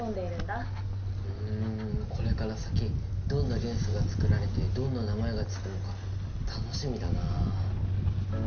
ふんこれから先どんな元素が作られてどんな名前が付くのか楽しみだな。